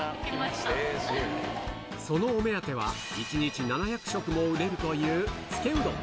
そのお目当ては、１日７００食も売れるという、つけうどん。